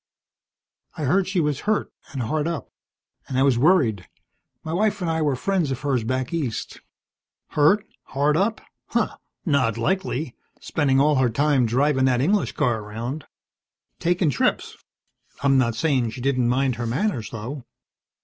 "I heard she was hurt, and hard up, and I was worried. My wife and I were friends of hers back east." "Hurt, hard up? Humph! Not likely, spendin' all her time drivin' that English car around. Takin' trips. I'm not sayin' she didn't mind her manners, though."